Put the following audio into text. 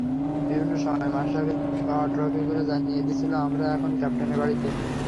বিভিন্ন সময় মাশরাফির পাওয়া ট্রফিগুলো জানিয়ে দিচ্ছিল, আমরা এখন ক্যাপ্টেনের বাড়িতে।